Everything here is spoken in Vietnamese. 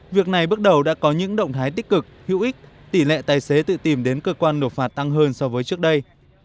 việc này bước đầu đã có những động thái tích cực hữu ích tỷ lệ tài xế tự tìm đến cơ quan nộp phạt tăng hơn so với trước đây